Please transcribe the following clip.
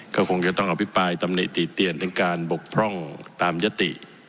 ก็คงจะต้องอภิปรายตำหนิติเตียนถึงการบกพร่องตามยติ